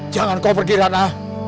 jangan kau pergi ratna